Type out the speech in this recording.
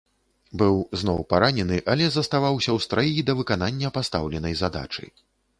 Быў зноў паранены, але заставаўся ў страі да выканання пастаўленай задачы.